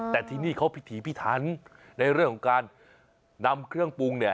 แต่ที่นี่เขาพิถีพิถันในเรื่องของการนำเครื่องปรุงเนี่ย